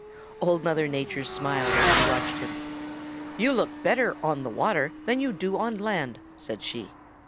Old Mother Nature smiled as she watched him. 'You look better on the water than you do on land,' said she.